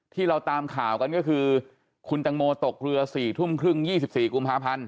ที่เราตามข่าวกันก็คือคุณตังโมตกเรือ๔ทุ่มครึ่ง๒๔กุมภาพันธ์